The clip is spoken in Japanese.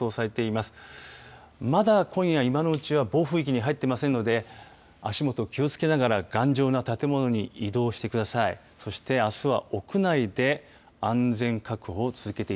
まだ今夜、今のうちは暴風域に入っていませんので足元、気をつけながら頑丈な建物に移動してください。